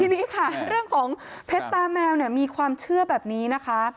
ทีนี้ค่ะเรื่องของเพชรตาแมวเนี่ยมีความเชื่อแบบนี้นะคะ